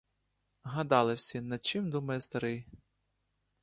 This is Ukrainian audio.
Гадали всі, над чим думає старий?